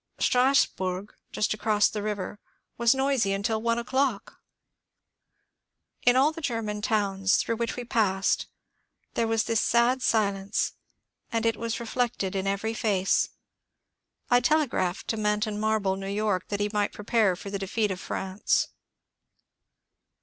Strasburg, just across the river, was noisy until one o'clock. In all the German towns through VOL. n 226 MONCURE DANIEL CX)NWAY which we passed there was this sad silence, and it was reflected in every face. I telegraphed to Manton Marble, New York, that he might prepare for the defeat of France.